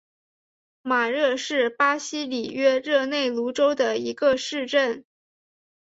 马热是巴西里约热内卢州的一个市镇。